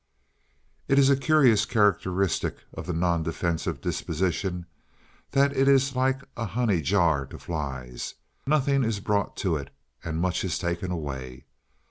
It is a curious characteristic of the non defensive disposition that it is like a honey jar to flies. Nothing is brought to it and much is taken away.